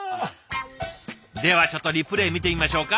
ではちょっとリプレー見てみましょうか。